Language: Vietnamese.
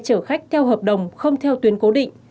chở khách theo hợp đồng không theo tuyến cố định